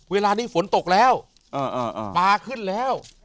เวลานี้ฝนตกแล้วปลาขึ้นแล้ว